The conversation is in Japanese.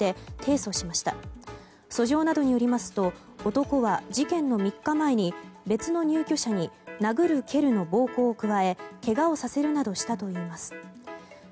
訴状などによりますと男は事件の３日前に別の入居者に殴る蹴るの暴行を加えけがをさせるなどしたといいます。